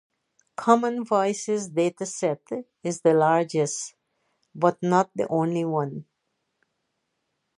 Common Voice’s dataset is the largest, but not the only one.